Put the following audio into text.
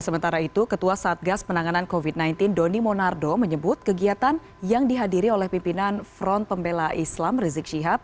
sementara itu ketua satgas penanganan covid sembilan belas doni monardo menyebut kegiatan yang dihadiri oleh pimpinan front pembela islam rizik syihab